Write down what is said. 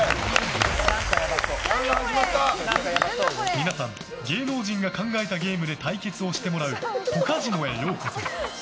皆さん、芸能人が考えたゲームで対決をしてもらうポカジノへようこそ。